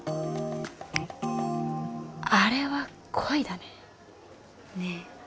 あれは恋だねねえ